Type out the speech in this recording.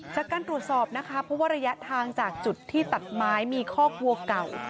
จากการตรวจสอบนะคะเพราะว่าระยะทางจากจุดที่ตัดไม้มีคอกวัวเก่า